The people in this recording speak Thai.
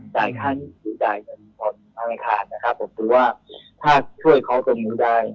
จ่ายค่าหนี้หรือจ่ายเงินของธนาคารหรือว่าถ้าช่วยเขาสมมุติได้